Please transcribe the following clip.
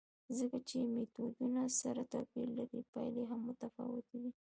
ځکه چې میتودونه سره توپیر لري، پایلې هم متفاوتې دي.